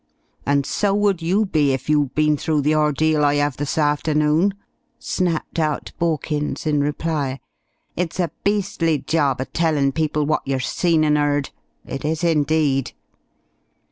"And so would you be, if you'd been through the ordeal I 'ave this afternoon," snapped out Borkins in reply. "It's a beastly job a tellin' people what yer seen and 'eard. It is indeed!"